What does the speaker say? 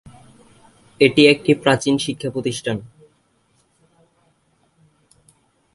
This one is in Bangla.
এটি একটি প্রাচীন শিক্ষা প্রতিষ্ঠান।